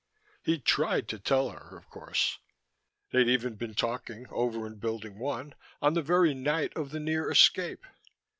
He'd tried to tell her, of course. They'd even been talking, over in Building One, on the very night of the near escape.